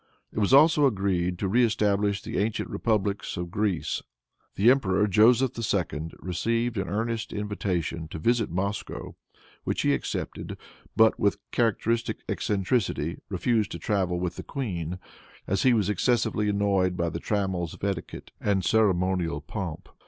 It was also agreed to reëstablish the ancient republics of Greece. The emperor, Joseph II., received an earnest invitation to visit Moscow, which he accepted, but, with characteristic eccentricity, refused to travel with the queen, as he was excessively annoyed by the trammels of etiquette and ceremonial pomp.